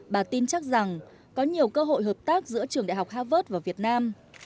bà tin chắc rằng có nhiều cơ hội hợp tác giữa trường đại học harvard và việt nam